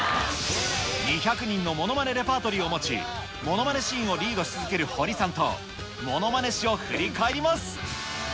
２００人のものまねレパートリーを持ち、ものまねシーンをリードし続けるホリさんと、ものまね史を振り返ります。